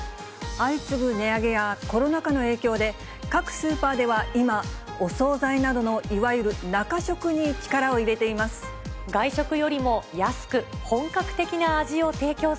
相次ぐ値上げやコロナ禍の影響で、各スーパーでは今、お総菜などのいわゆる中食に力を入れています。